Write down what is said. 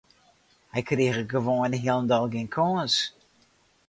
Hy kriget gewoan hielendal gjin kâns.